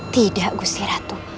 tidak gusti ratu